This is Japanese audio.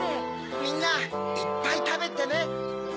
みんないっぱいたべてね！